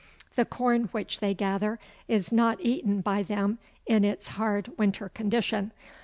The corn which they gather is not eaten by them in its hard winter condition.